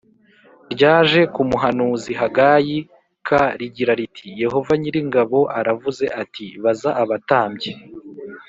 ryaje ku muhanuzi Hagayi k rigira riti Yehova nyir ingabo aravuze ati baza abatambyi